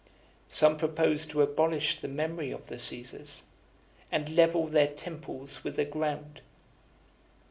Some proposed to abolish the memory of the Caesars, and level their temples with the ground.